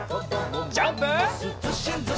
ジャンプ！